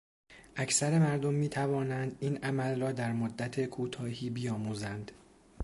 اکثر مردم میتوانند این عمل را در مدت کوتاهی بیاموزند.